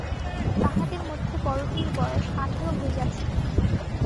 তাহাদের মধ্যে বড়োটির বয়স আঠারো হইয়াছিল।